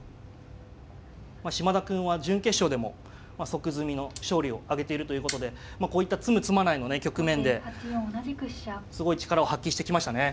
嶋田くんは準決勝でも即詰みの勝利をあげているということでこういった詰む詰まないのね局面ですごい力を発揮してきましたね。